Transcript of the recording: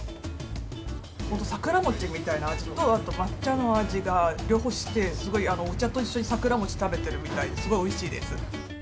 本当、桜餅みたいな味と、あと抹茶の味が両方して、すごいお茶と一緒に桜餅食べてるみたいで、すごいおいしいです。